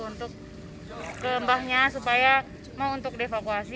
untuk ke embahnya supaya mau untuk dievakuasi